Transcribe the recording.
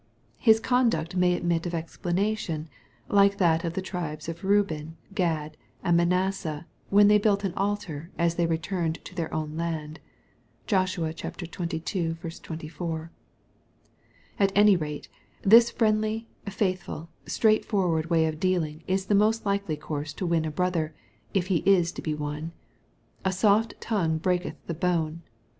His conduct may admit of explanation, like that of the tribes of Beuben, Gad, and Manasseh, when they built an altar, as they returned to their own land. (Joshua xxii. 24.) At any rate, this friendly, faithful, straight forward way of dealing is the most likely course to win a brother, if he is to be won. " A soft tongue breaketh the bone."